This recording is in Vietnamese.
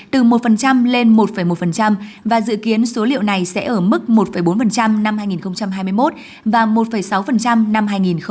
từ một lên một một và dự kiến số liệu này sẽ ở mức một bốn năm hai nghìn hai mươi một và một sáu năm hai nghìn hai mươi một